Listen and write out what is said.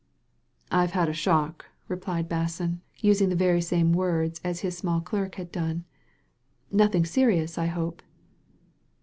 "I've had a shock," replied Basson, using the very same words as his small clerk had done. " Nothing serious, I hope?